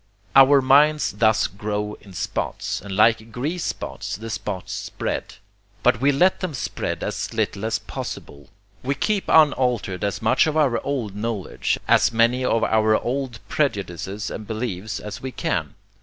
Our minds thus grow in spots; and like grease spots, the spots spread. But we let them spread as little as possible: we keep unaltered as much of our old knowledge, as many of our old prejudices and beliefs, as we can.